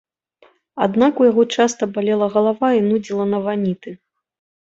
Аднак у яго часта балела галава і нудзіла на ваніты.